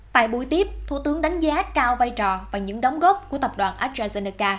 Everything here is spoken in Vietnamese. tại buổi tiếp thủ tướng đánh giá cao vai trò và những đóng góp của tập đoàn astrazeneca